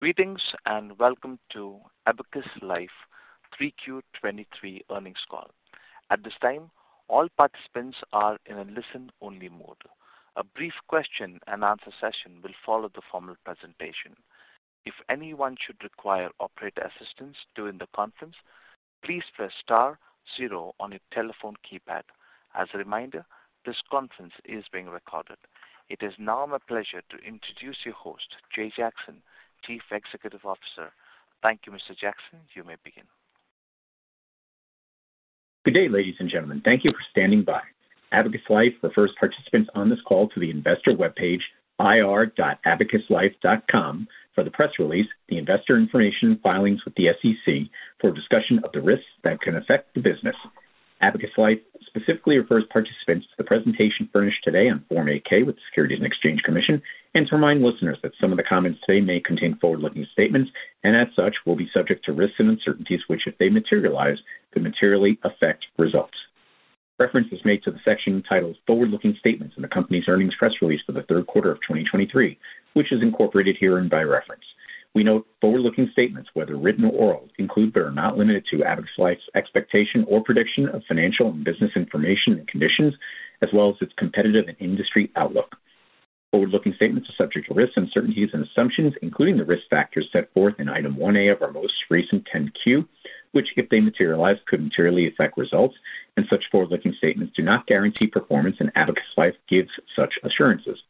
Greetings, and welcome to Abacus Life Q3 2023 earnings call. At this time, all participants are in a listen-only mode. A brief question-and-answer session will follow the formal presentation. If anyone should require operator assistance during the conference, please press star zero on your telephone keypad. As a reminder, this conference is being recorded. It is now my pleasure to introduce your host, Jay Jackson, Chief Executive Officer. Thank you, Mr. Jackson. You may begin. Good day, ladies and gentlemen. Thank you for standing by. Abacus Life refers participants on this call to the investor webpage, ir.abacuslife.com, for the press release, the investor information filings with the SEC for discussion of the risks that can affect the business. Abacus Life specifically refers participants to the presentation furnished today on Form 8-K with the Securities and Exchange Commission, and to remind listeners that some of the comments today may contain forward-looking statements, and as such, will be subject to risks and uncertainties, which, if they materialize, could materially affect results. Reference is made to the section titled Forward-Looking Statements in the company's earnings press release for the third quarter of 2023, which is incorporated herein by reference. We note forward-looking statements, whether written or oral, include but are not limited to Abacus Life's expectation or prediction of financial and business information and conditions, as well as its competitive and industry outlook. Forward-looking statements are subject to risks, uncertainties, and assumptions, including the risk factors set forth in Item 1A of our most recent 10-Q, which, if they materialize, could materially affect results, and such forward-looking statements do not guarantee performance, and Abacus Life gives such assurances.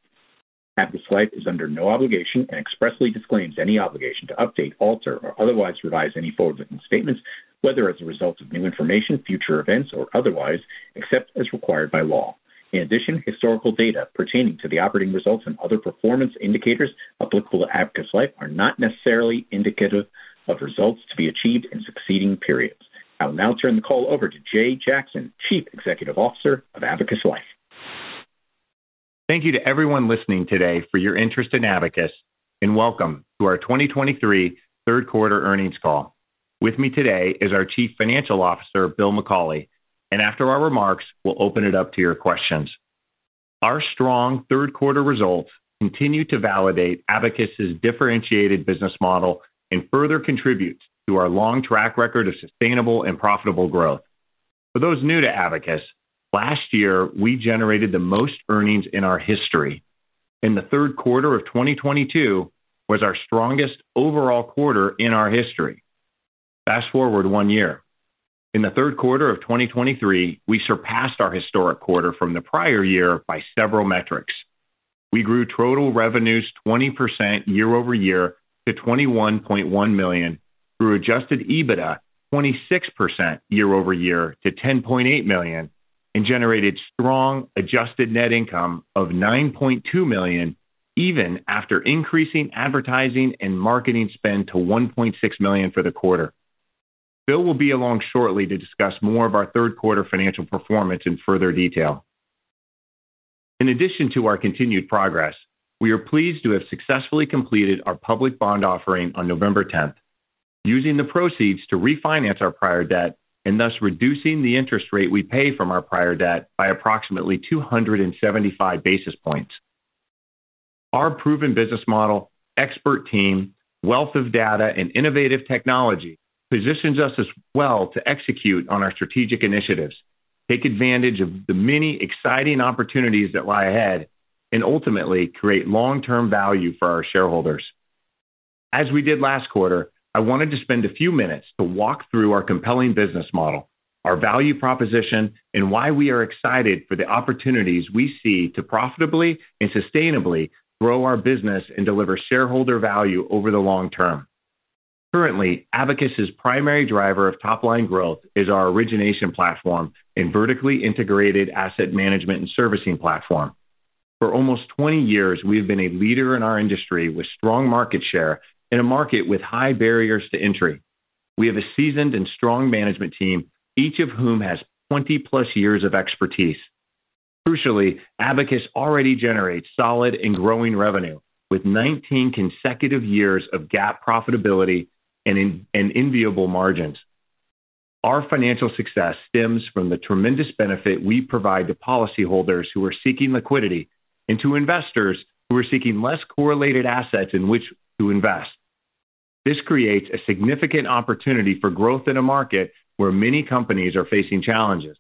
Abacus Life is under no obligation and expressly disclaims any obligation to update, alter, or otherwise revise any forward-looking statements, whether as a result of new information, future events, or otherwise, except as required by law. In addition, historical data pertaining to the operating results and other performance indicators applicable to Abacus Life are not necessarily indicative of results to be achieved in succeeding periods. I will now turn the call over to Jay Jackson, Chief Executive Officer of Abacus Life. Thank you to everyone listening today for your interest in Abacus, and welcome to our 2023 third quarter earnings call. With me today is our Chief Financial Officer, Bill McCauley, and after our remarks, we'll open it up to your questions. Our strong third quarter results continue to validate Abacus's differentiated business model and further contribute to our long track record of sustainable and profitable growth. For those new to Abacus, last year we generated the most earnings in our history. In the third quarter of 2022 was our strongest overall quarter in our history. Fast-forward one year. In the third quarter of 2023, we surpassed our historic quarter from the prior year by several metrics. We grew total revenues 20% year-over-year to $21.1 million, grew Adjusted EBITDA 26% year-over-year to $10.8 million, and generated strong adjusted net income of $9.2 million, even after increasing advertising and marketing spend to $1.6 million for the quarter. Bill will be along shortly to discuss more of our third quarter financial performance in further detail. In addition to our continued progress, we are pleased to have successfully completed our public bond offering on November 10, using the proceeds to refinance our prior debt and thus reducing the interest rate we pay from our prior debt by approximately 275 basis points. Our proven business model, expert team, wealth of data, and innovative technology positions us well to execute on our strategic initiatives, take advantage of the many exciting opportunities that lie ahead, and ultimately create long-term value for our shareholders. As we did last quarter, I wanted to spend a few minutes to walk through our compelling business model, our value proposition, and why we are excited for the opportunities we see to profitably and sustainably grow our business and deliver shareholder value over the long term. Currently, Abacus's primary driver of top-line growth is our origination platform and vertically integrated asset management and servicing platform. For almost 20 years, we have been a leader in our industry with strong market share in a market with high barriers to entry. We have a seasoned and strong management team, each of whom has 20+ years of expertise. Crucially, Abacus already generates solid and growing revenue, with 19 consecutive years of GAAP profitability and industry-enviable margins. Our financial success stems from the tremendous benefit we provide to policyholders who are seeking liquidity and to investors who are seeking less correlated assets in which to invest. This creates a significant opportunity for growth in a market where many companies are facing challenges.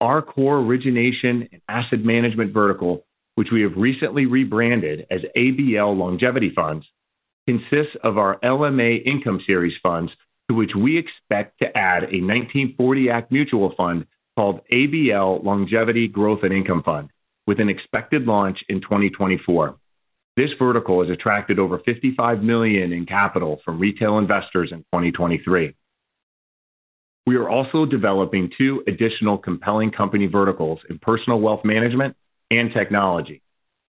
Our core origination and asset management vertical, which we have recently rebranded as ABL Longevity Funds, consists of our LMA Income Series funds, to which we expect to add a 1940 Act mutual fund called ABL Longevity Growth and Income Fund, with an expected launch in 2024. This vertical has attracted over $55 million in capital from retail investors in 2023. We are also developing two additional compelling company verticals in personal wealth management and technology.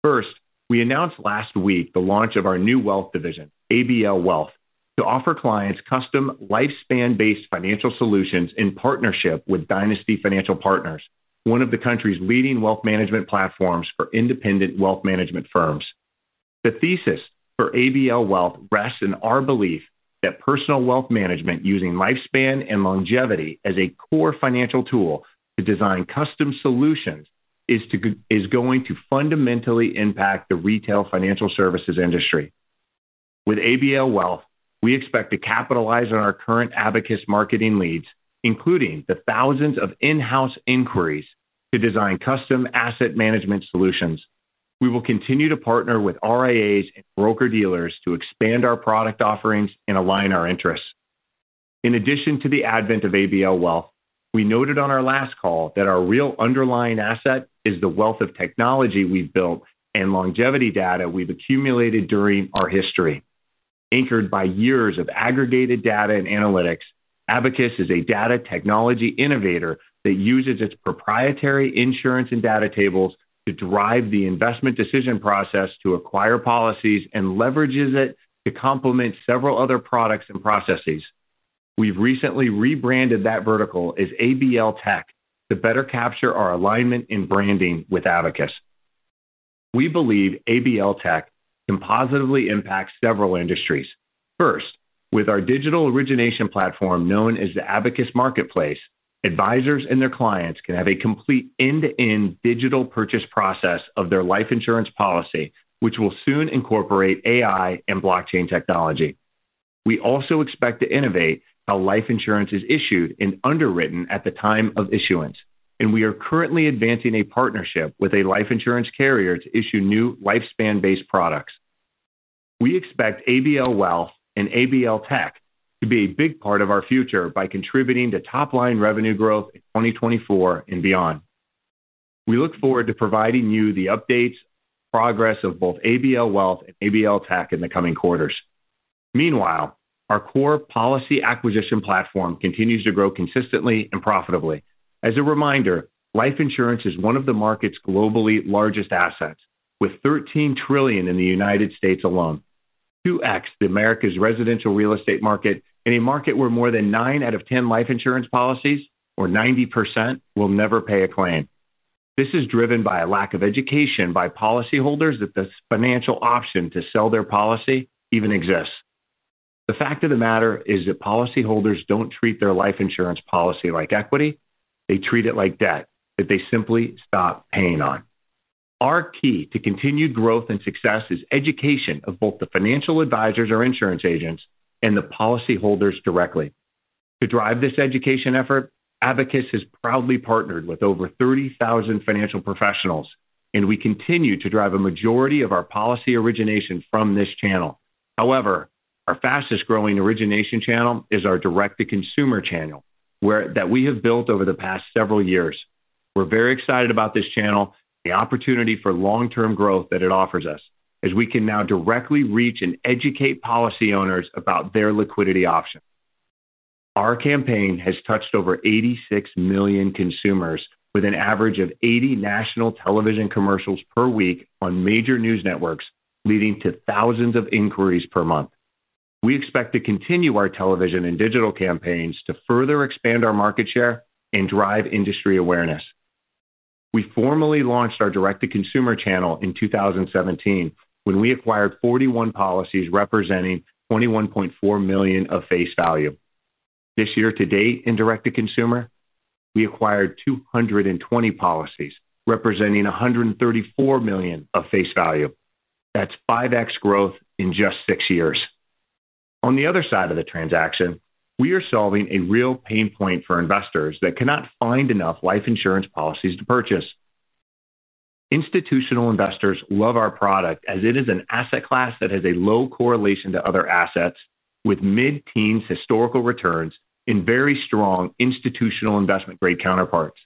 First, we announced last week the launch of our new wealth division, ABL Wealth, to offer clients custom lifespan-based financial solutions in partnership with Dynasty Financial Partners, one of the country's leading wealth management platforms for independent wealth management firms. The thesis for ABL Wealth rests in our belief that personal wealth management using lifespan and longevity as a core financial tool to design custom solutions is going to fundamentally impact the retail financial services industry. With ABL Wealth, we expect to capitalize on our current Abacus marketing leads, including the thousands of in-house inquiries to design custom asset management solutions. We will continue to partner with RIAs and broker-dealers to expand our product offerings and align our interests. In addition to the advent of ABL Wealth, we noted on our last call that our real underlying asset is the wealth of technology we've built and longevity data we've accumulated during our history. Anchored by years of aggregated data and analytics, Abacus is a data technology innovator that uses its proprietary insurance and data tables to drive the investment decision process to acquire policies, and leverages it to complement several other products and processes. We've recently rebranded that vertical as ABL Tech to better capture our alignment in branding with Abacus. We believe ABL Tech can positively impact several industries. First, with our digital origination platform, known as the Abacus Marketplace, advisors and their clients can have a complete end-to-end digital purchase process of their life insurance policy, which will soon incorporate AI and blockchain technology. We also expect to innovate how life insurance is issued and underwritten at the time of issuance, and we are currently advancing a partnership with a life insurance carrier to issue new lifespan-based products. We expect ABL Wealth and ABL Tech to be a big part of our future by contributing to top-line revenue growth in 2024 and beyond. We look forward to providing you the updates, progress of both ABL Wealth and ABL Tech in the coming quarters. Meanwhile, our core policy acquisition platform continues to grow consistently and profitably. As a reminder, life insurance is one of the market's globally largest assets, with $13 trillion in the United States alone, 2x the America's residential real estate market, in a market where more than nine out of 10 life insurance policies, or 90%, will never pay a claim. This is driven by a lack of education by policyholders that this financial option to sell their policy even exists. The fact of the matter is that policyholders don't treat their life insurance policy like equity. They treat it like debt that they simply stop paying on. Our key to continued growth and success is education of both the financial advisors or insurance agents and the policyholders directly. To drive this education effort, Abacus has proudly partnered with over 30,000 financial professionals, and we continue to drive a majority of our policy origination from this channel. However, our fastest-growing origination channel is our direct-to-consumer channel, that we have built over the past several years. We're very excited about this channel, the opportunity for long-term growth that it offers us, as we can now directly reach and educate policy owners about their liquidity options. Our campaign has touched over 86 million consumers with an average of 80 national television commercials per week on major news networks, leading to thousands of inquiries per month. We expect to continue our television and digital campaigns to further expand our market share and drive industry awareness. We formally launched our direct-to-consumer channel in 2017, when we acquired 41 policies, representing $21.4 million of face value. This year to date in direct-to-consumer, we acquired 220 policies, representing $134 million of face value. That's 5x growth in just six years. On the other side of the transaction, we are solving a real pain point for investors that cannot find enough life insurance policies to purchase. Institutional investors love our product as it is an asset class that has a low correlation to other assets with mid-teens historical returns in very strong institutional investment-grade counterparts.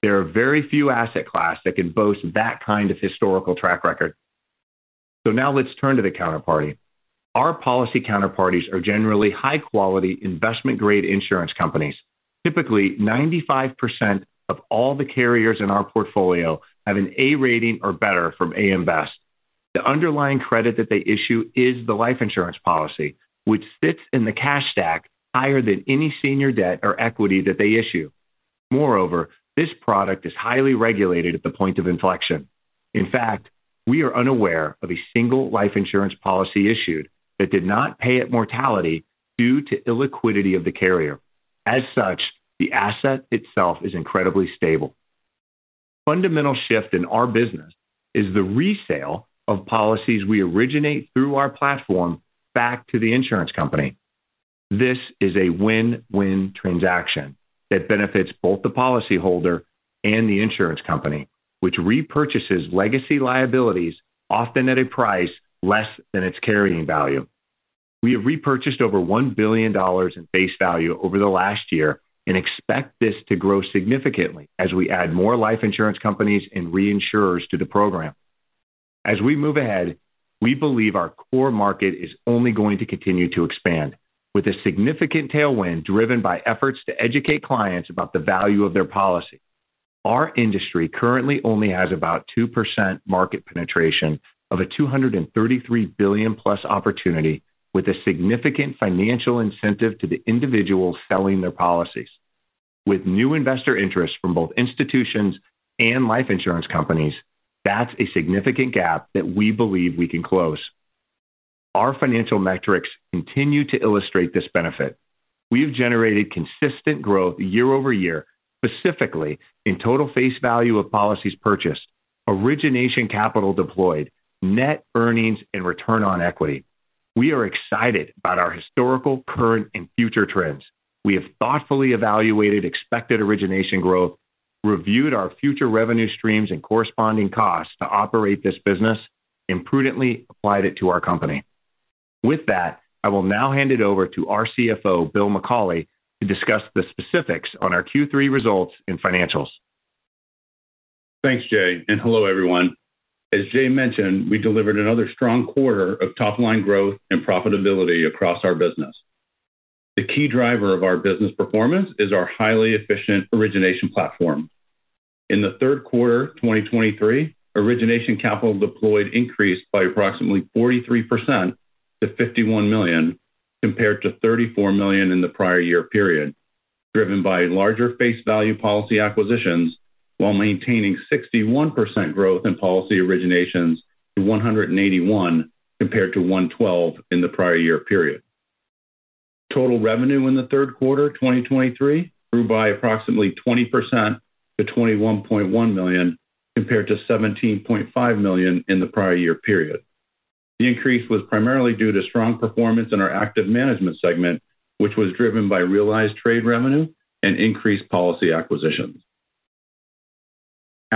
There are very few asset class that can boast that kind of historical track record. So now let's turn to the counterparty. Our policy counterparties are generally high-quality, investment-grade insurance companies. Typically, 95% of all the carriers in our portfolio have an A rating or better from AM Best. The underlying credit that they issue is the life insurance policy, which sits in the cash stack higher than any senior debt or equity that they issue. Moreover, this product is highly regulated at the point of inflection. In fact, we are unaware of a single life insurance policy issued that did not pay at mortality due to illiquidity of the carrier. As such, the asset itself is incredibly stable. Fundamental shift in our business is the resale of policies we originate through our platform back to the insurance company. This is a win-win transaction that benefits both the policyholder and the insurance company, which repurchases legacy liabilities, often at a price less than its carrying value. We have repurchased over $1 billion in face value over the last year and expect this to grow significantly as we add more life insurance companies and reinsurers to the program. As we move ahead, we believe our core market is only going to continue to expand, with a significant tailwind driven by efforts to educate clients about the value of their policy. Our industry currently only has about 2% market penetration of a $233 billion-plus opportunity, with a significant financial incentive to the individuals selling their policies. With new investor interest from both institutions and life insurance companies, that's a significant gap that we believe we can close. Our financial metrics continue to illustrate this benefit. We've generated consistent growth year-over-year, specifically in total face value of policies purchased, origination capital deployed, net earnings, and return on equity. We are excited about our historical, current, and future trends. We have thoughtfully evaluated expected origination growth, reviewed our future revenue streams and corresponding costs to operate this business, and prudently applied it to our company. With that, I will now hand it over to our CFO, Bill McCauley, to discuss the specifics on our Q3 results and financials. Thanks, Jay, and hello, everyone. As Jay mentioned, we delivered another strong quarter of top-line growth and profitability across our business. The key driver of our business performance is our highly efficient origination platform. In the third quarter of 2023, origination capital deployed increased by approximately 43% to $51 million, compared to $34 million in the prior year period, driven by larger face value policy acquisitions, while maintaining 61% growth in policy originations to 181, compared to 112 in the prior year period. Total revenue in the third quarter of 2023 grew by approximately 20% to $21.1 million, compared to $17.5 million in the prior year period. The increase was primarily due to strong performance in our active management segment, which was driven by realized trade revenue and increased policy acquisitions.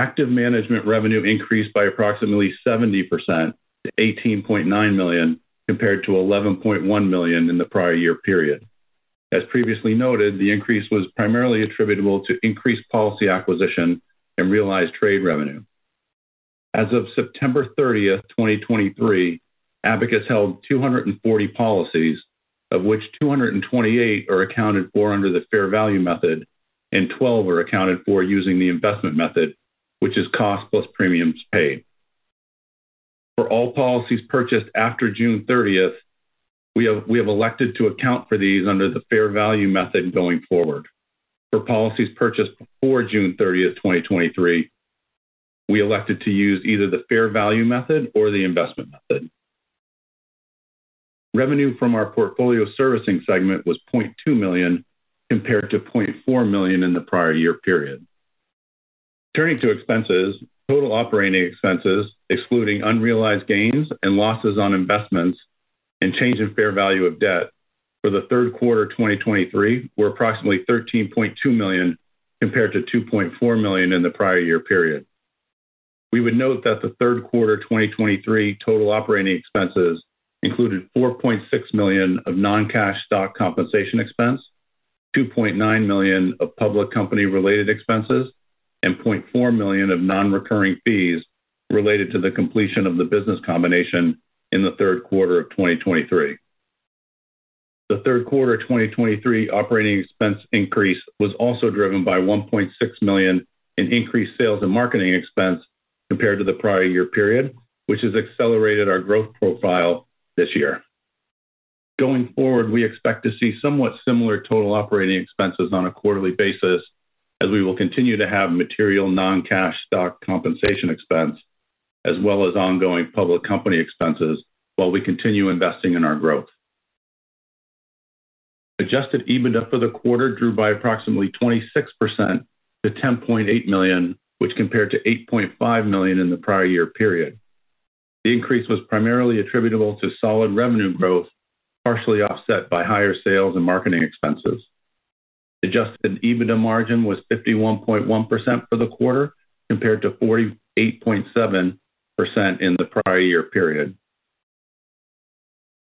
Active Management revenue increased by approximately 70% to $18.9 million, compared to $11.1 million in the prior year period. As previously noted, the increase was primarily attributable to increased policy acquisition and realized trade revenue. As of September 30, 2023, Abacus held 240 policies, of which 228 are accounted for under the fair value method, and 12 are accounted for using the investment method, which is cost plus premiums paid. For all policies purchased after June 30, we have elected to account for these under the fair value method going forward. For policies purchased before June 30, 2023, we elected to use either the fair value method or the investment method. Revenue from our portfolio servicing segment was $0.2 million, compared to $0.4 million in the prior year period. Turning to expenses, total operating expenses, excluding unrealized gains and losses on investments and change in fair value of debt for the third quarter of 2023, were approximately $13.2 million, compared to $2.4 million in the prior year period. We would note that the third quarter of 2023 total operating expenses included $4.6 million of non-cash stock compensation expense, $2.9 million of public company-related expenses, and $0.4 million of non-recurring fees related to the completion of the business combination in the third quarter of 2023. The third quarter of 2023 operating expense increase was also driven by $1.6 million in increased sales and marketing expense compared to the prior year period, which has accelerated our growth profile this year. Going forward, we expect to see somewhat similar total operating expenses on a quarterly basis, as we will continue to have material non-cash stock compensation expense, as well as ongoing public company expenses while we continue investing in our growth. Adjusted EBITDA for the quarter grew by approximately 26% to $10.8 million, which compared to $8.5 million in the prior year period. The increase was primarily attributable to solid revenue growth, partially offset by higher sales and marketing expenses. Adjusted EBITDA margin was 51.1% for the quarter, compared to 48.7% in the prior year period.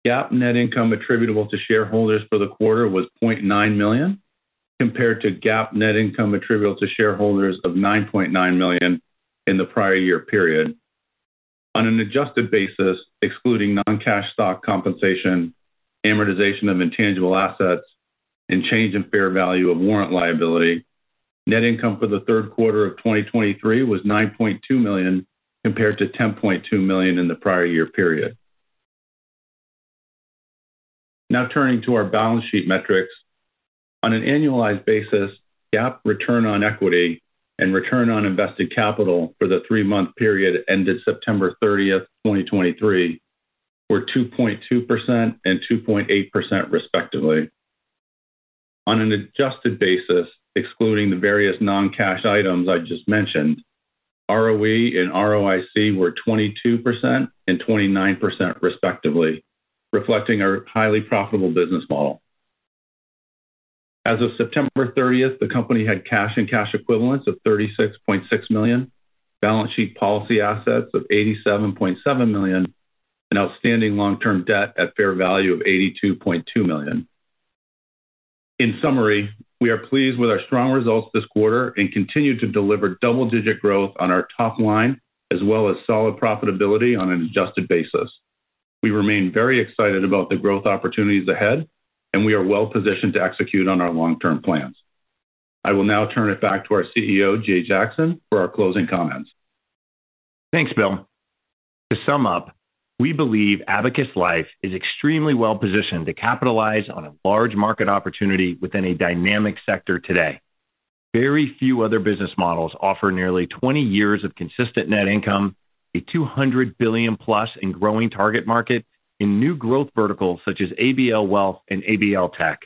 GAAP net income attributable to shareholders for the quarter was $0.9 million, compared to GAAP net income attributable to shareholders of $9.9 million in the prior year period. On an adjusted basis, excluding non-cash stock compensation, amortization of intangible assets, and change in fair value of warrant liability, net income for the third quarter of 2023 was $9.2 million, compared to $10.2 million in the prior year period. Now turning to our balance sheet metrics. On an annualized basis, GAAP return on equity and return on invested capital for the three-month period ended September 30, 2023, were 2.2% and 2.8% respectively. On an adjusted basis, excluding the various non-cash items I just mentioned, ROE and ROIC were 22% and 29% respectively, reflecting our highly profitable business model. As of September 30, the company had cash and cash equivalents of $36.6 million, balance sheet policy assets of $87.7 million, and outstanding long-term debt at fair value of $82.2 million. In summary, we are pleased with our strong results this quarter and continue to deliver double-digit growth on our top line, as well as solid profitability on an adjusted basis. We remain very excited about the growth opportunities ahead, and we are well positioned to execute on our long-term plans. I will now turn it back to our CEO, Jay Jackson, for our closing comments. Thanks, Bill. To sum up, we believe Abacus Life is extremely well positioned to capitalize on a large market opportunity within a dynamic sector today. Very few other business models offer nearly 20 years of consistent net income, a $200 billion-plus and growing target market in new growth verticals such as ABL Wealth and ABL Tech.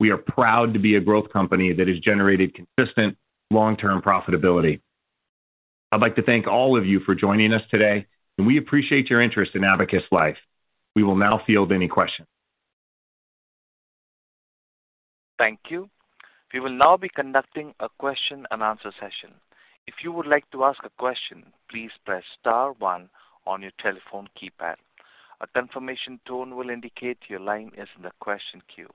We are proud to be a growth company that has generated consistent long-term profitability. I'd like to thank all of you for joining us today, and we appreciate your interest in Abacus Life. We will now field any questions. Thank you. We will now be conducting a question-and-answer session. If you would like to ask a question, please press star one on your telephone keypad. A confirmation tone will indicate your line is in the question queue.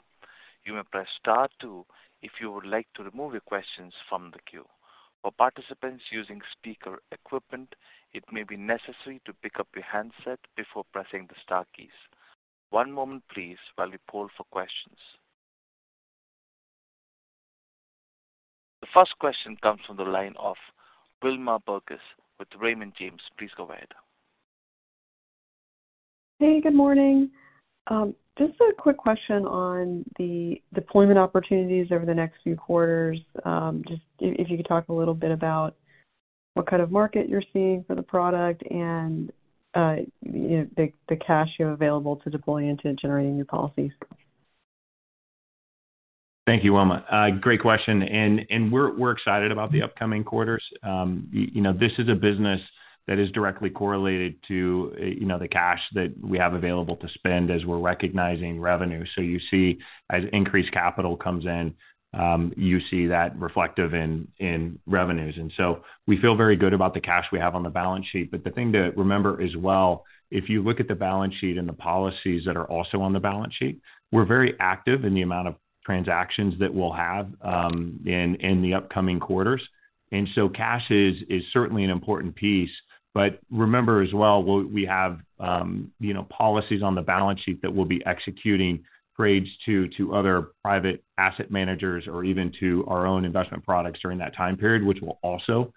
You may press star two if you would like to remove your questions from the queue. For participants using speaker equipment, it may be necessary to pick up your handset before pressing the star keys. One moment please while we poll for questions. The first question comes from the line of Wilma Burdis with Raymond James. Please go ahead. Hey, good morning. Just a quick question on the deployment opportunities over the next few quarters. Just if you could talk a little bit about what kind of market you're seeing for the product and, you know, the cash you have available to deploy into generating new policies. Thank you, Wilma. Great question, and we're excited about the upcoming quarters. You know, this is a business that is directly correlated to the cash that we have available to spend as we're recognizing revenue. So you see as increased capital comes in, you see that reflective in revenues. And so we feel very good about the cash we have on the balance sheet. But the thing to remember as well, if you look at the balance sheet and the policies that are also on the balance sheet, we're very active in the amount of transactions that we'll have in the upcoming quarters. And so cash is certainly an important piece. But remember as well, we have, you know, policies on the balance sheet that we'll be executing trades to other private asset managers or even to our own investment products during that time period, which will also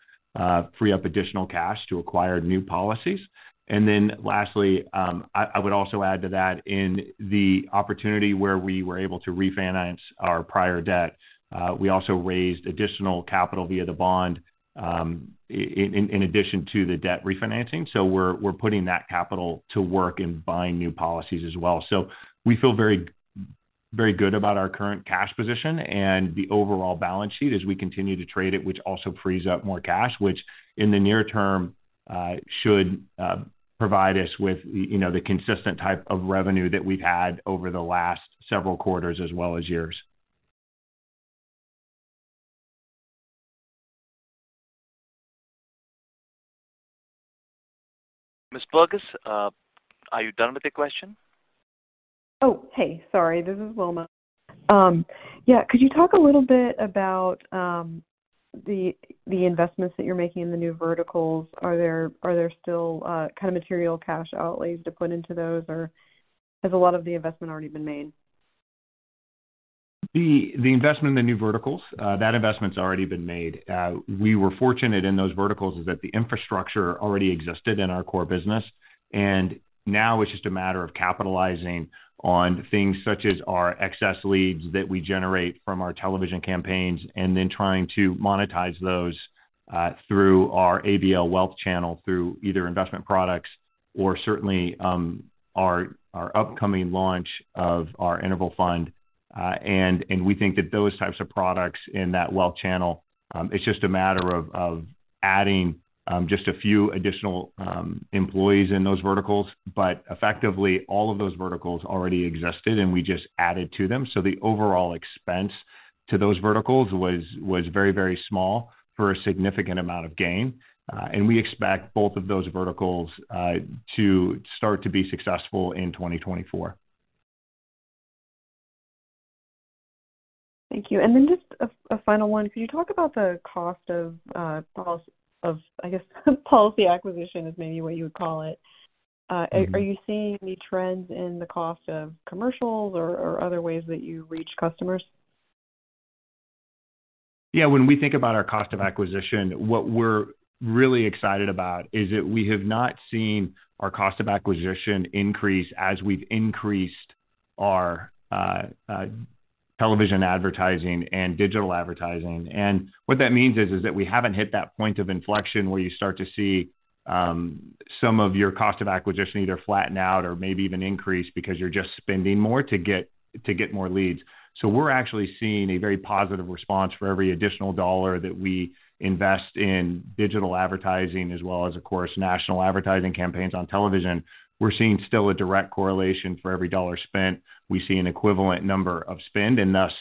free up additional cash to acquire new policies. And then lastly, I would also add to that in the opportunity where we were able to refinance our prior debt, we also raised additional capital via the bond, in addition to the debt refinancing. So we're putting that capital to work in buying new policies as well. So we feel very, very good about our current cash position and the overall balance sheet as we continue to trade it, which also frees up more cash, which in the near term should provide us with, you know, the consistent type of revenue that we've had over the last several quarters, as well as years. Miss Burdis, are you done with your question? Oh, hey, sorry, this is Wilma. Yeah, could you talk a little bit about the investments that you're making in the new verticals? Are there still kind of material cash outlays to put into those, or has a lot of the investment already been made? The investment in the new verticals, that investment's already been made. We were fortunate in those verticals is that the infrastructure already existed in our core business, and now it's just a matter of capitalizing on things such as our excess leads that we generate from our television campaigns, and then trying to monetize those through our ABL Wealth channel, through either investment products or certainly our upcoming launch of our interval fund. And we think that those types of products in that wealth channel, it's just a matter of adding just a few additional employees in those verticals. But effectively, all of those verticals already existed, and we just added to them. So the overall expense to those verticals was very, very small for a significant amount of gain. We expect both of those verticals to start to be successful in 2024. Thank you. And then just a final one: Could you talk about the cost of, I guess, policy acquisition is maybe what you would call it? Mm-hmm. Are you seeing any trends in the cost of commercials or other ways that you reach customers? Yeah, when we think about our cost of acquisition, what we're really excited about is that we have not seen our cost of acquisition increase as we've increased our television advertising and digital advertising. And what that means is that we haven't hit that point of inflection where you start to see some of your cost of acquisition either flatten out or maybe even increase because you're just spending more to get more leads. So we're actually seeing a very positive response for every additional dollar that we invest in digital advertising, as well as, of course, national advertising campaigns on television. We're seeing still a direct correlation for every dollar spent. We see an equivalent number of spend, and thus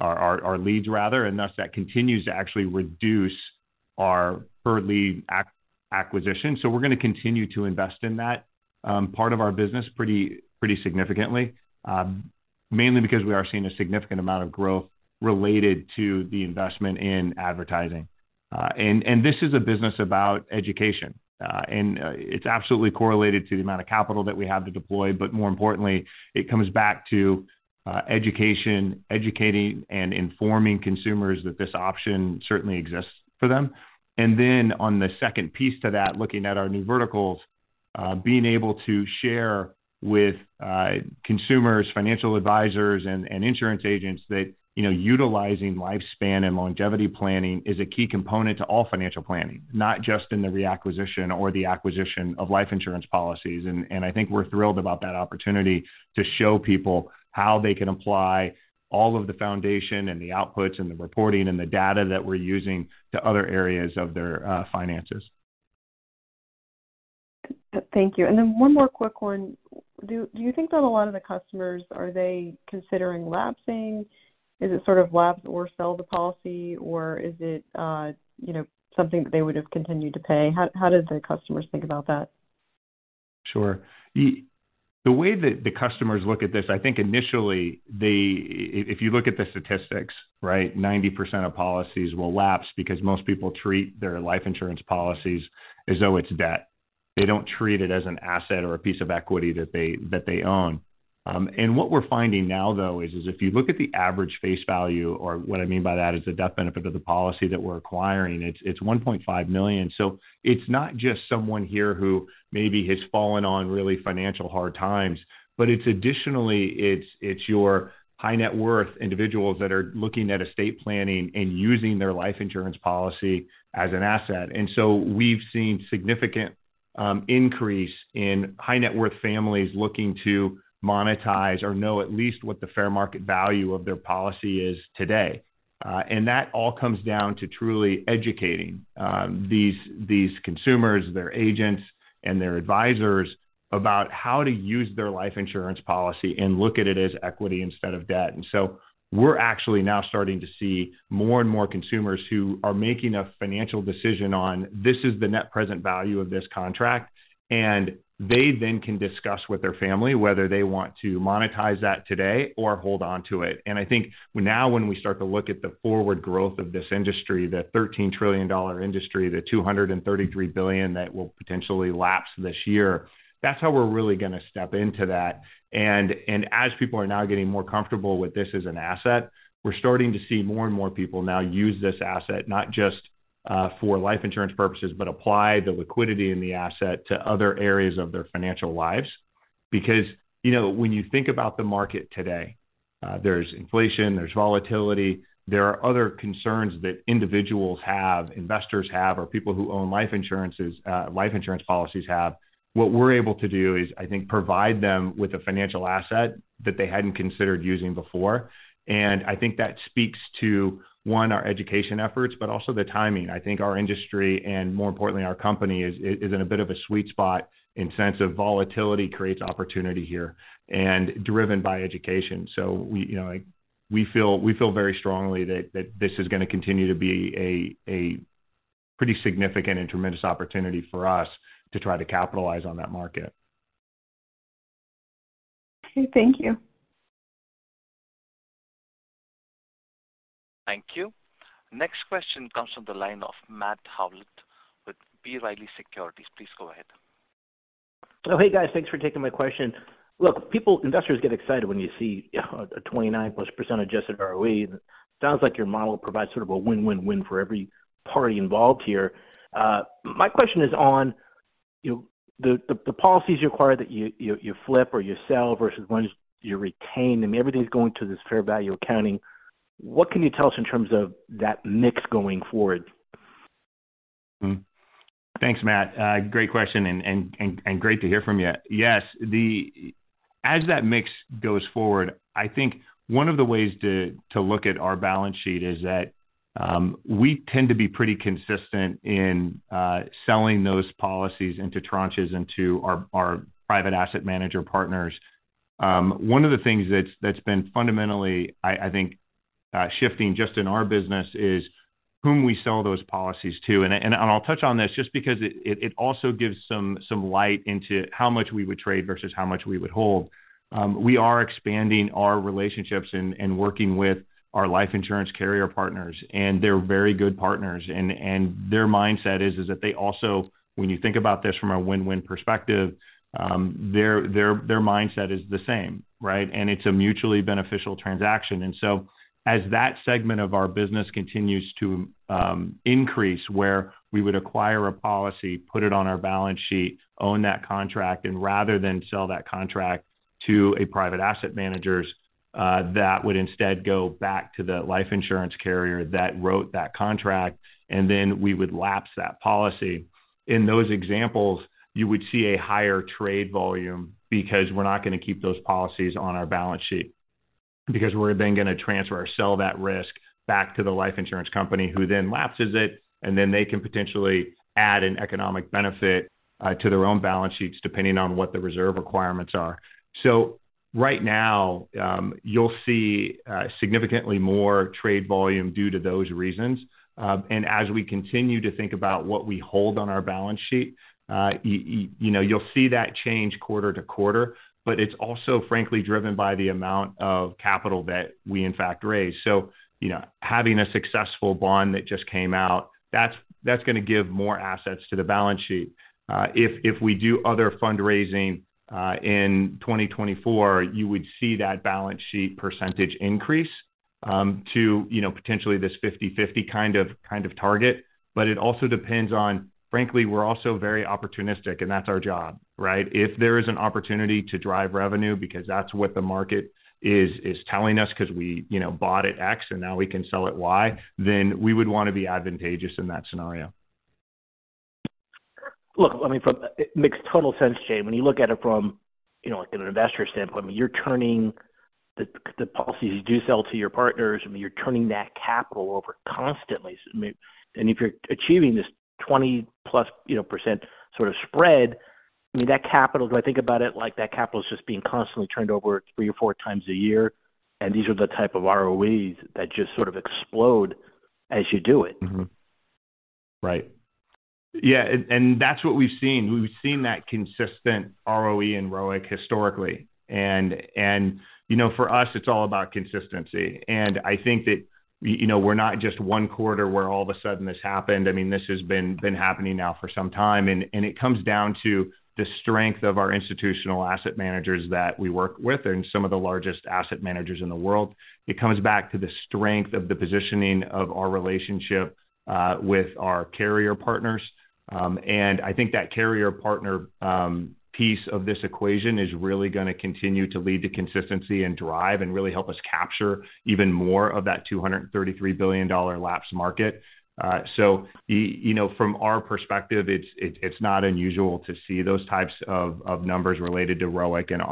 our leads rather, and thus that continues to actually reduce our per-lead acquisition. So we're going to continue to invest in that part of our business pretty, pretty significantly, mainly because we are seeing a significant amount of growth related to the investment in advertising. And this is a business about education, and it's absolutely correlated to the amount of capital that we have to deploy, but more importantly, it comes back to education, educating and informing consumers that this option certainly exists for them. And then on the second piece to that, looking at our new verticals, being able to share with consumers, financial advisors, and insurance agents that, you know, utilizing lifespan and longevity planning is a key component to all financial planning, not just in the reacquisition or the acquisition of life insurance policies. And I think we're thrilled about that opportunity to show people how they can apply all of the foundation and the outputs and the reporting and the data that we're using to other areas of their finances. Thank you. And then one more quick one. Do you think that a lot of the customers, are they considering lapsing? Is it sort of lapse or sell the policy, or is it, you know, something that they would have continued to pay? How does the customers think about that? Sure. The way that the customers look at this, I think initially they if you look at the statistics, right? 90% of policies will lapse because most people treat their life insurance policies as though it's debt. They don't treat it as an asset or a piece of equity that they own. And what we're finding now, though, is if you look at the average face value, or what I mean by that is the death benefit of the policy that we're acquiring, it's $1.5 million. So it's not just someone here who maybe has fallen on really financial hard times, but it's additionally your high-net-worth individuals that are looking at estate planning and using their life insurance policy as an asset. We've seen significant increase in high-net-worth families looking to monetize or know at least what the fair market value of their policy is today. That all comes down to truly educating these consumers, their agents, and their advisors about how to use their life insurance policy and look at it as equity instead of debt. We're actually now starting to see more and more consumers who are making a financial decision on, this is the net present value of this contract, and they then can discuss with their family whether they want to monetize that today or hold on to it. And I think now, when we start to look at the forward growth of this industry, the $13 trillion industry, the $233 billion that will potentially lapse this year, that's how we're really gonna step into that. And as people are now getting more comfortable with this as an asset, we're starting to see more and more people now use this asset, not just for life insurance purposes, but apply the liquidity in the asset to other areas of their financial lives. Because, you know, when you think about the market today, there's inflation, there's volatility, there are other concerns that individuals have, investors have, or people who own life insurances, life insurance policies have. What we're able to do is, I think, provide them with a financial asset that they hadn't considered using before. I think that speaks to, one, our education efforts, but also the timing. I think our industry and more importantly, our company is in a bit of a sweet spot in the sense of volatility creates opportunity here and driven by education. We, you know, like, we feel very strongly that this is gonna continue to be a pretty significant and tremendous opportunity for us to try to capitalize on that market. Okay, thank you. Thank you. Next question comes from the line of Matt Howlett with B. Riley Securities. Please go ahead. Oh, hey, guys. Thanks for taking my question. Look, people, investors get excited when you see a 29%+ adjusted ROE. It sounds like your model provides sort of a win-win-win for every party involved here. My question is on, you know, the policies you acquire that you flip or you sell versus ones you retain, and everything's going to this fair value accounting. What can you tell us in terms of that mix going forward? Mm-hmm. Thanks, Matt. Great question and great to hear from you. Yes. As that mix goes forward, I think one of the ways to look at our balance sheet is that we tend to be pretty consistent in selling those policies into tranches, into our private asset manager partners. One of the things that's been fundamentally, I think, shifting just in our business is whom we sell those policies to. And I'll touch on this just because it also gives some light into how much we would trade versus how much we would hold. We are expanding our relationships and working with our life insurance carrier partners, and they're very good partners. And their mindset is that they also, when you think about this from a win-win perspective, their mindset is the same, right? And it's a mutually beneficial transaction. And so as that segment of our business continues to increase, where we would acquire a policy, put it on our balance sheet, own that contract, and rather than sell that contract to a private asset managers, that would instead go back to the life insurance carrier that wrote that contract, and then we would lapse that policy. In those examples, you would see a higher trade volume because we're not gonna keep those policies on our balance sheet, because we're then gonna transfer or sell that risk back to the life insurance company, who then lapses it, and then they can potentially add an economic benefit to their own balance sheets, depending on what the reserve requirements are. So right now, you'll see significantly more trade volume due to those reasons. And as we continue to think about what we hold on our balance sheet, you know, you'll see that change quarter to quarter, but it's also frankly driven by the amount of capital that we in fact raise. So, you know, having a successful bond that just came out, that's gonna give more assets to the balance sheet. If we do other fundraising in 2024, you would see that balance sheet percentage increase to, you know, potentially this 50/50 kind of target. But it also depends on, frankly, we're also very opportunistic, and that's our job, right? If there is an opportunity to drive revenue because that's what the market is telling us, 'cause we, you know, bought at X and now we can sell at Y, then we would wanna be advantageous in that scenario. Look, I mean, it makes total sense, Jay. When you look at it from, you know, like, in an investor standpoint, I mean, you're turning the, the policies you do sell to your partners, I mean, you're turning that capital over constantly. So, and if you're achieving this 20%+, you know, sort of spread, I mean, that capital, do I think about it like that capital is just being constantly turned over three or four times a year, and these are the type of ROEs that just sort of explode as you do it? Mm-hmm. Right. Yeah, and that's what we've seen. We've seen that consistent ROE and ROIC historically, and, you know, for us, it's all about consistency. And I think that, you know, we're not just one quarter where all of a sudden this happened. I mean, this has been happening now for some time, and it comes down to the strength of our institutional asset managers that we work with and some of the largest asset managers in the world. It comes back to the strength of the positioning of our relationship with our carrier partners. And I think that carrier partner piece of this equation is really gonna continue to lead to consistency and drive and really help us capture even more of that $233 billion dollar lapse market. So, you know, from our perspective, it's not unusual to see those types of numbers related to ROIC and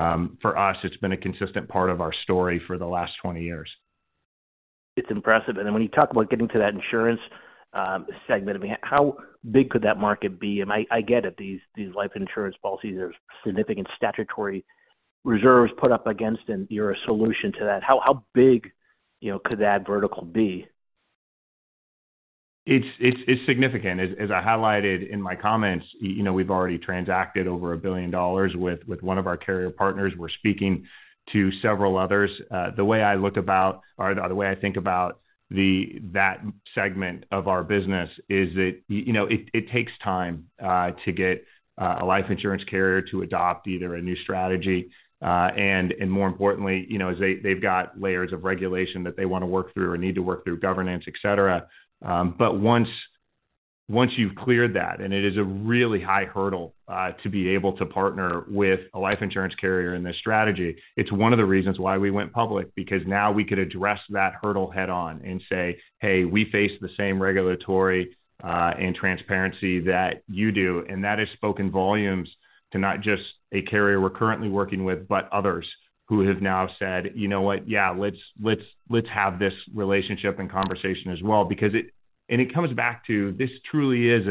ROE. For us, it's been a consistent part of our story for the last 20 years. It's impressive. And then when you talk about getting to that insurance segment, I mean, how big could that market be? And I get it, these life insurance policies, there's significant statutory reserves put up against, and you're a solution to that. How big, you know, could that vertical be? It's significant. As I highlighted in my comments, you know, we've already transacted over $1 billion with one of our carrier partners. We're speaking to several others. The way I think about that segment of our business is that, you know, it takes time to get a life insurance carrier to adopt either a new strategy, and more importantly, you know, they've got layers of regulation that they wanna work through or need to work through governance, et cetera. But once you've cleared that, and it is a really high hurdle to be able to partner with a life insurance carrier in this strategy, it's one of the reasons why we went public, because now we could address that hurdle head-on and say, "Hey, we face the same regulatory and transparency that you do." And that has spoken volumes to not just a carrier we're currently working with, but others who have now said, "You know what? Yeah, let's have this relationship and conversation as well." Because it... And it comes back to, this truly is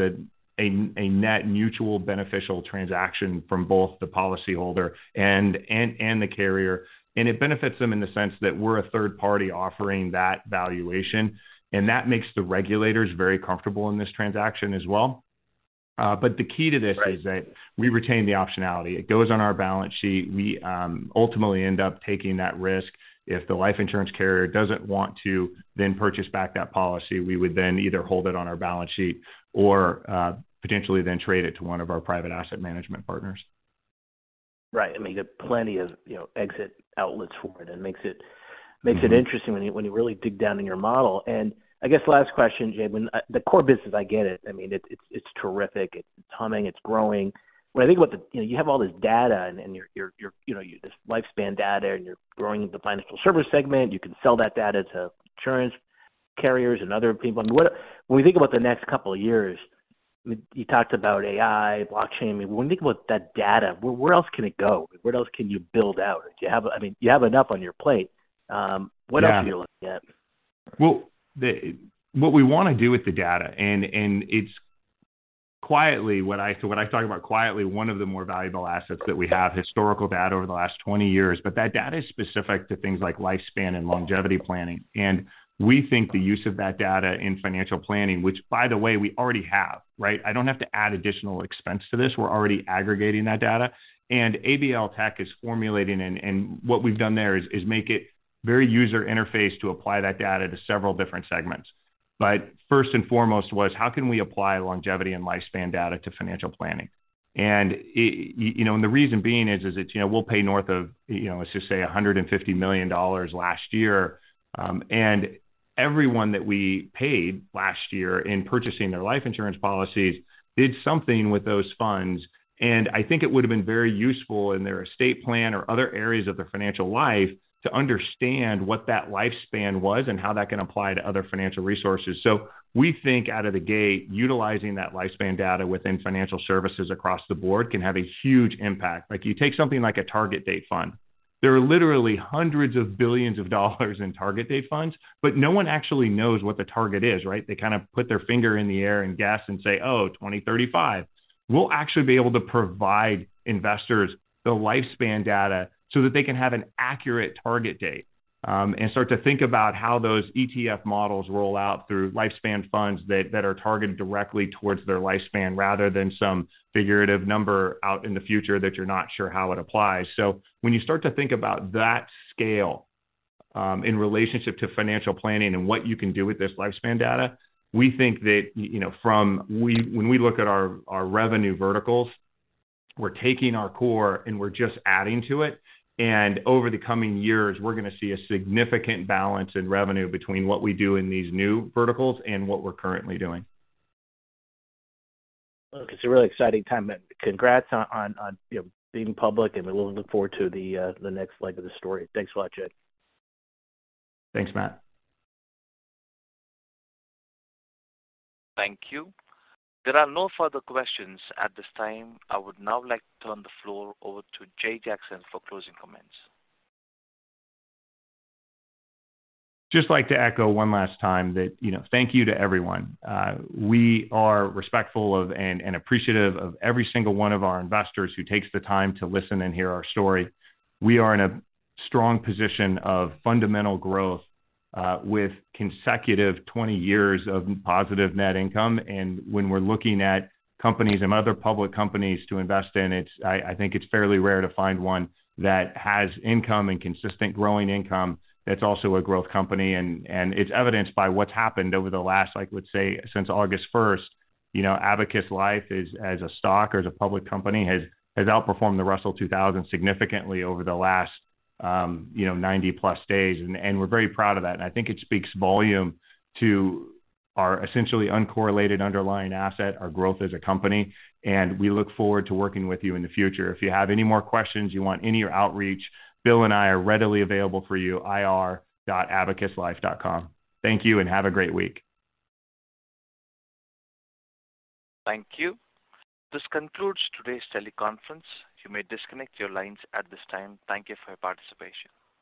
a net mutual beneficial transaction from both the policyholder and the carrier. And it benefits them in the sense that we're a third party offering that valuation, and that makes the regulators very comfortable in this transaction as well. But the key to this- Right... is that we retain the optionality. It goes on our balance sheet. We ultimately end up taking that risk. If the life insurance carrier doesn't want to then purchase back that policy, we would then either hold it on our balance sheet or potentially then trade it to one of our private asset management partners. Right. I mean, you have plenty of, you know, exit outlets for it and makes it- Mm-hmm… makes it interesting when you really dig down in your model. And I guess last question, Jay, when the core business, I get it. I mean, it's terrific. It's humming, it's growing. When I think about the… You know, you have all this data and your you know, this lifespan data, and you're growing the financial service segment. You can sell that data to insurance carriers and other people. I mean, what, when we think about the next couple of years, you talked about AI, blockchain, I mean, when we think about that data, where else can it go? Where else can you build out? Do you have… I mean, you have enough on your plate, what else- Yeah... are you looking at? Well, what we wanna do with the data, and it's quietly, what I talk about quietly, one of the more valuable assets that we have, historical data over the last 20 years. But that data is specific to things like lifespan and longevity planning, and we think the use of that data in financial planning, which by the way, we already have, right? I don't have to add additional expense to this. We're already aggregating that data, and ABL Tech is formulating and what we've done there is make it very user interface to apply that data to several different segments. But first and foremost was: How can we apply longevity and lifespan data to financial planning? And it... You know, and the reason being is that, you know, we'll pay north of, you know, let's just say $150 million last year. And everyone that we paid last year in purchasing their life insurance policies did something with those funds, and I think it would've been very useful in their estate plan or other areas of their financial life to understand what that lifespan was and how that can apply to other financial resources. So we think out of the gate, utilizing that lifespan data within financial services across the board can have a huge impact. Like, you take something like a target date fund. There are literally hundreds of billions of dollars in target date funds, but no one actually knows what the target is, right? They kind of put their finger in the air and guess and say, "Oh, 2035." We'll actually be able to provide investors the lifespan data so that they can have an accurate target date, and start to think about how those ETF models roll out through lifespan funds that are targeted directly towards their lifespan, rather than some figurative number out in the future that you're not sure how it applies. So when you start to think about that scale, in relationship to financial planning and what you can do with this lifespan data, we think that, you know, from when we look at our revenue verticals, we're taking our core, and we're just adding to it. And over the coming years, we're gonna see a significant balance in revenue between what we do in these new verticals and what we're currently doing. Look, it's a really exciting time, but congrats on, you know, being public, and we'll look forward to the next leg of the story. Thanks a lot, Jay. Thanks, Matt. Thank you. There are no further questions at this time. I would now like to turn the floor over to Jay Jackson for closing comments. Just like to echo one last time that, you know, thank you to everyone. We are respectful of and, and appreciative of every single one of our investors who takes the time to listen and hear our story. We are in a strong position of fundamental growth, with consecutive 20 years of positive net income. And when we're looking at companies and other public companies to invest in, it's... I, I think it's fairly rare to find one that has income and consistent growing income, that's also a growth company. And, and it's evidenced by what's happened over the last, I would say, since August first. You know, Abacus Life is, as a stock or as a public company, has, has outperformed the Russell 2000 significantly over the last, you know, 90+ days, and, and we're very proud of that. I think it speaks volume to our essentially uncorrelated underlying asset, our growth as a company, and we look forward to working with you in the future. If you have any more questions, you want any outreach, Bill and I are readily available for you, ir.abacuslife.com. Thank you, and have a great week. Thank you. This concludes today's teleconference. You may disconnect your lines at this time. Thank you for your participation.